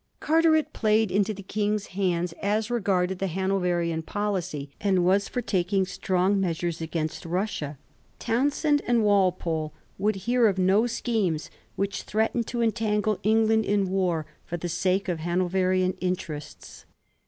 Carteret played into the King's hands as regarded the Hano verian policy, and was for taking strong measures against Russia. Townshend and Walpole would hear of no schemes which threatened to entangle England in war for the sake of Hanoverian interests.